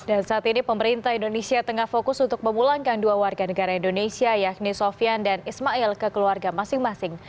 dan saat ini pemerintah indonesia tengah fokus untuk memulangkan dua warga negara indonesia yakni sofian dan ismail ke keluarga masing masing